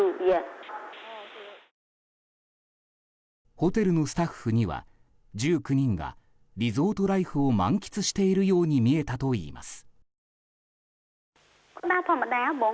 ホテルのスタッフには１９人がリゾートライフを満喫しているように見えたといいます。